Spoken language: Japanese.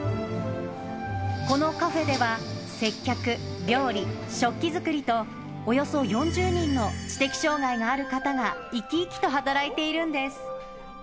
このカフェでは、接客、料理、食器作りと、およそ４０人の知的障がいがある方が生き生きと働いているんです。